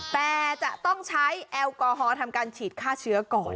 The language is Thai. แต่จะต้องใช้แอลกอฮอล์ทำการฉีดฆ่าเชื้อก่อน